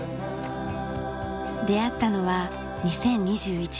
出会ったのは２０２１年の夏。